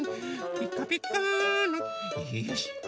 ピカピカーのよし！